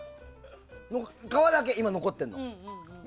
皮だけ、今残ってるの。